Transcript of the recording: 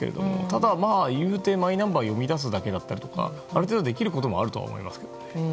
ただ、いうてマイナンバーを読み出すだけだったりある程度、できることもあると思いますけどね。